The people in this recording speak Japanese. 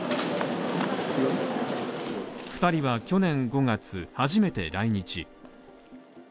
２人は去年５月、初めて来日。